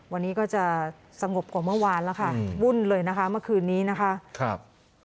วันนี้ก็จะสงบกว่าเมื่อวานแล้วค่ะวุ่นเลยนะคะเมื่อคืนนี้นะคะครับ